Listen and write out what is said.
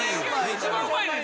一番うまいねんて。